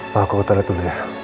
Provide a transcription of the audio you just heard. papa aku ke toilet dulu ya